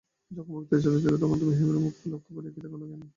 যখন বক্তৃতা চলিতেছিল তখন তুমি কি হেমের মুখ লক্ষ্য করিয়া দেখ নাই?